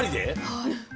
はい。